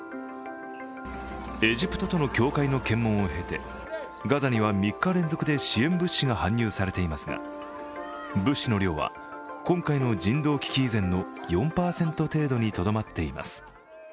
エジプトとの境界の検問を経てガザには３日連続で支援物資が搬入されていますが、物資の量は今回の人道危機以前の４％程度にとどまっています。